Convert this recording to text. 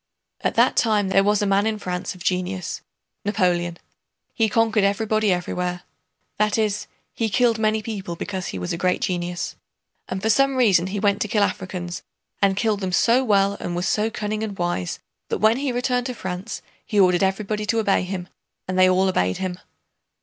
At that time there was in France a man of genius—Napoleon. He conquered everybody everywhere—that is, he killed many people because he was a great genius. And for some reason he went to kill Africans, and killed them so well and was so cunning and wise that when he returned to France he ordered everybody to obey him, and they all obeyed him.